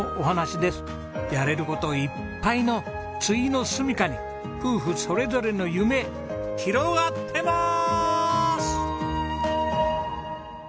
やれる事いっぱいのついのすみかに夫婦それぞれの夢広がってます！